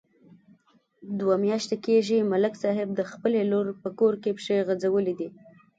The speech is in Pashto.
دوه میاشتې کېږي، ملک صاحب د خپلې لور په کور کې پښې غځولې دي.